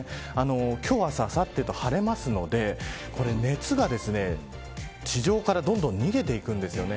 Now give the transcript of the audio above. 今日、明日、あさってと晴れるので熱が地上からどんどん逃げていくんですよね。